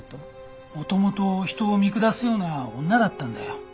元々人を見下すような女だったんだよ。